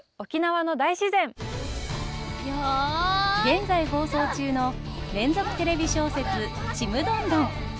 現在放送中の連続テレビ小説「ちむどんどん」。